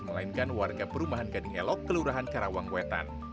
melainkan warga perumahan gading elok kelurahan karawang wetan